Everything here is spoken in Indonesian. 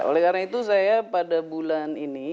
oleh karena itu saya pada bulan ini